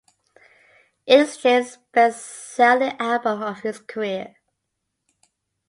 It is James' best-selling album of his career.